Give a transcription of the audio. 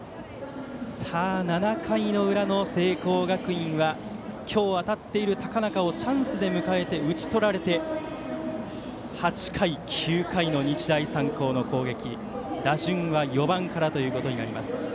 ７回の裏、聖光学院は今日、当たっている高中をチャンスで迎えて打ち取られて８回、９回の日大三高の攻撃は打順４番からとなります。